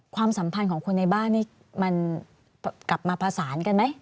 ความสัมพันธ์ของคนในบ้านนี่มันกลับมาผสานกันไหม